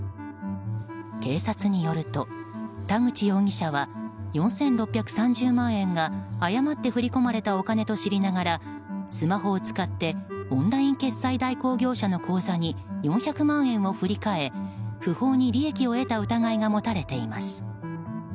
警察によると田口容疑者は４６３０万円が誤って振り込まれたお金と知りながらスマホを使ってオンライン決済代行業者の口座に４００万円を振り替え不法に利益を得た疑いが持たれています。